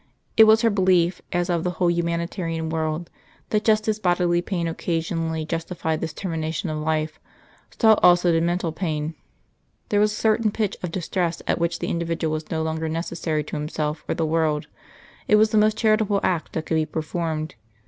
It was her belief, as of the whole Humanitarian world, that just as bodily pain occasionally justified this termination of life, so also did mental pain. There was a certain pitch of distress at which the individual was no longer necessary to himself or the world; it was the most charitable act that could be performed.